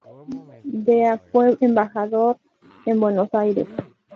De a fue embajador en Buenos Aires.